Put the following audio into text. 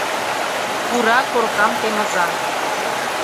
Пура коркам темыза